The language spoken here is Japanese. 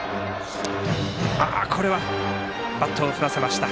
バットを振らせました。